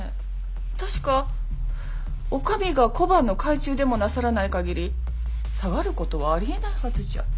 確かお上が小判の改鋳でもなさらないかぎり下がることはありえないはずじゃ？